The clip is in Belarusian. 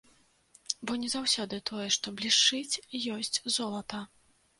Бо не заўсёды тое, што блішчыць, ёсць золата.